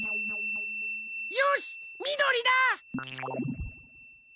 よしみどりだ！